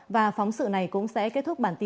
và phóng sự này cũng sẽ kết thúc bản tin